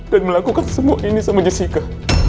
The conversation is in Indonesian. dan melakukan semua ini sama jessica